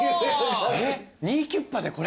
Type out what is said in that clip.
ニーキュッパでこれ？